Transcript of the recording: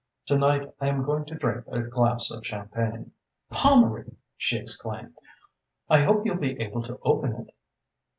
To night I am going to drink a glass of champagne." "Pommery!" she exclaimed. "I hope you'll be able to open it."